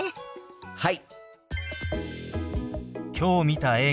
はい！